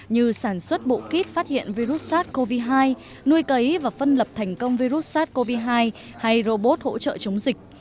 như sản xuất bộ kit phát hiện virus sars cov hai nuôi cấy và phân lập thành công virus sars cov hai hay robot hỗ trợ chống dịch